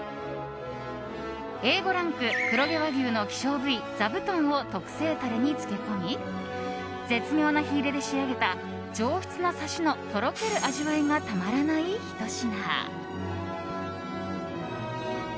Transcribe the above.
Ａ５ランク黒毛和牛の希少部位ザブトンを特製タレに漬け込み絶妙な火入れで仕上げた上質なサシのとろける味わいがたまらないひと品。